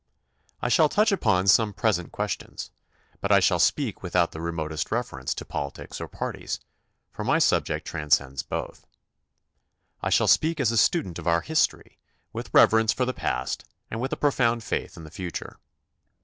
I shall touch upon some present questions, but I shall speak without the remotest reference to politics or parties, for my subject transcends both. I shall speak as a student of our history with reverence for the past and with a profound faith in the future.